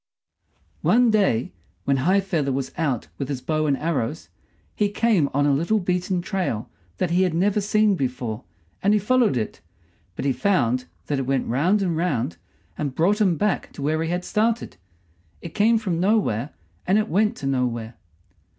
One day, when High feather was out with his bow and arrows, he came on a little beaten trail that he had never seen before, and he followed it but he found that it went round and round and brought him back to where he had started. It came from nowhere, and it went to nowhere.